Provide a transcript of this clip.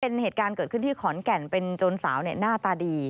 เป็นเหตุการณ์เกิดขึ้นที่ขอนแก่นเป็นจนสาวหน้าตาดี